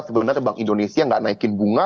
sebenarnya bank indonesia nggak naikin bunga